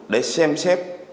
để xem xét